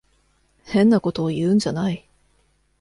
変なことを言うんじゃない。